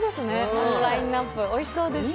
このラインナップ、おいしそうでした。